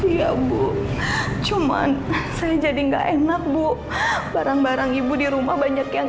iya bu cuman saya jadi enggak enak bu barang barang ibu di rumah banyak yang